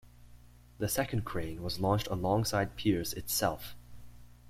The second crane was launched alongside Pirs itself.